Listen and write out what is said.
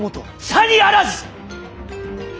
さにあらず！